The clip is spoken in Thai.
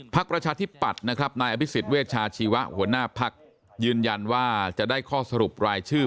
ประชาธิปัตย์นะครับนายอภิษฎเวชาชีวะหัวหน้าพักยืนยันว่าจะได้ข้อสรุปรายชื่อ